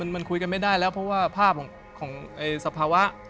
มันคุยกันไม่ได้แล้วเพราะว่าภาพของสภาวะ